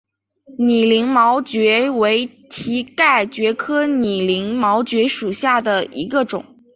拟鳞毛蕨为蹄盖蕨科拟鳞毛蕨属下的一个种。